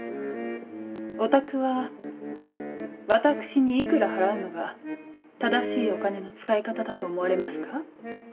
おたくは私に幾ら払うのが正しいお金の使い方だと思われますか？